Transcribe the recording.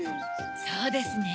そうですね。